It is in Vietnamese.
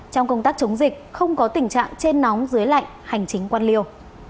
trong công tác chống dịch không có tình trạng trên nóng dưới lạnh hành chính quan liêu